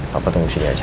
papa tunggu sini aja